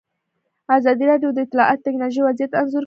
ازادي راډیو د اطلاعاتی تکنالوژي وضعیت انځور کړی.